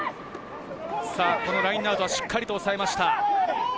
ラインアウトはしっかりとおさえました。